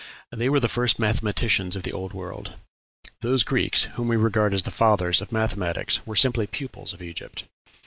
They were the first mathematicians of the Old World. Those Greeks whom we regard as the fathers of mathematics were simply pupils of Egypt.